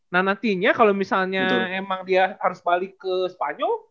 nah nantinya kalau misalnya emang dia harus balik ke spanyol